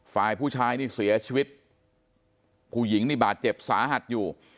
ฝ่ายผู้ชายนี่เสียชีวิตผู้หญิงนี่บาดเจ็บสาหัสอยู่